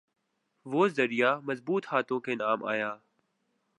وہ ذریعہ مضبوط ہاتھوں کے کام آیا۔